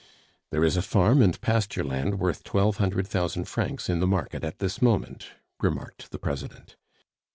"There is a farm and pasture land worth twelve hundred thousand francs in the market at this moment," remarked the President.